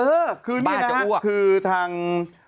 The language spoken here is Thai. อื้อคือนี่นะบ้าจะอ้วก